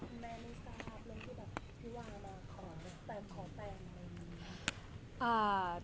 เรื่องที่แบบพี่วาวมาขอแปลงขอแปลงอะไรอย่างงี้